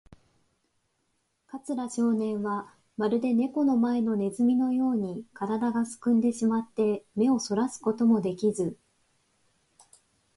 桂少年は、まるでネコの前のネズミのように、からだがすくんでしまって、目をそらすこともできず、